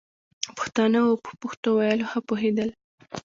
پښتانه وو او په پښتو ویلو ښه پوهېدل.